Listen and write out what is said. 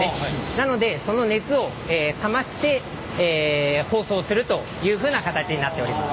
なのでその熱を冷まして包装するというふうな形になっております。